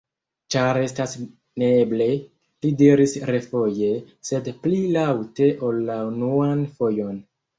Ĉar estas neeble! li diris refoje, sed pli laŭte ol la unuan fojon.